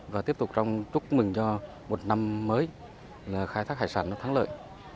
và tiếp tục trong chúc mừng cho một năm mới